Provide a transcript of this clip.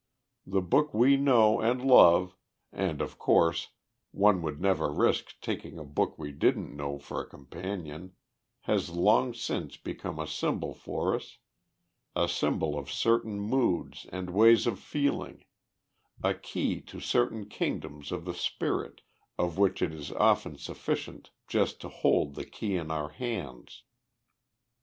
The book we know and love and, of course, one would never risk taking a book we didn't know for a companion has long since become a symbol for us, a symbol of certain moods and ways of feeling, a key to certain kingdoms of the spirit, of which it is often sufficient just to hold the key in our hands.